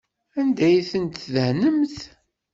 Anda ay tent-tdehnemt?